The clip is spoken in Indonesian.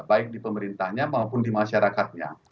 baik di pemerintahnya maupun di masyarakatnya